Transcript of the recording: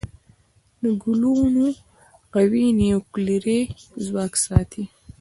د ګلوون قوي نیوکلیري ځواک ساتي.